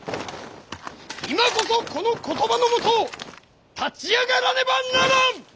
今こそこの言葉のもと立ち上がらねばならん！